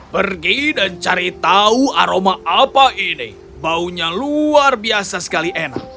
pergi dan cari tahu aroma apa ini baunya luar biasa sekali enak